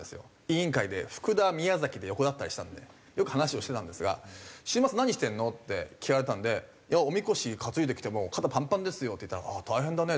委員会で福田宮崎で横だったりしたんでよく話をしてたんですが「週末何してるの？」って聞かれたんで「おみこし担いできてもう肩パンパンですよ」って言ったら「ああ大変だね」